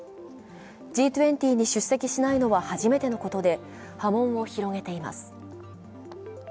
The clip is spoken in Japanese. Ｇ２０に出席しないのは初めてのことで波紋を広めています。